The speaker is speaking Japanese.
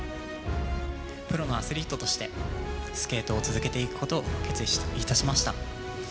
プロのアスリートとして、スケートを続けていくことを決意いたしました。